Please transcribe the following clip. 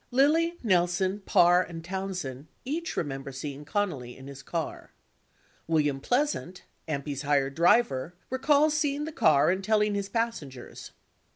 Lilly, Nelson, Parr, and Townsend each remember seeing Connally in his car 47 William Pleas ant, AMPI's hired driver, recalls seeing the car and telling his pas sengers.